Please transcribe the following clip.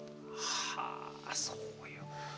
はあそういう。